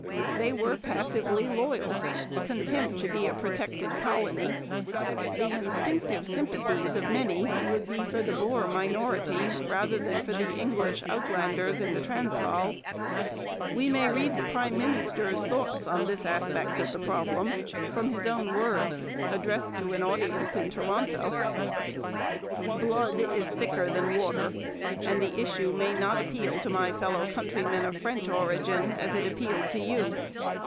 They were passively loyal, content to be a protected colony. The instinctive sympathies of many would be for the Boer minority rather than for the English Outlanders in the Transvaal. We may read the prime minister's thoughts on this aspect of the problem from his own words, addressed to an audience in Toronto: Blood is thicker than water, and the issue may not appeal to my fellow countrymen of French origin as it appealed to you....